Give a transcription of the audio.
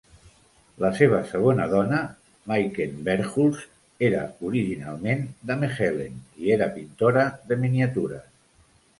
La seva segona dona, Mayken Verhulst, era originalment de Mechelen i era pintora de miniatures.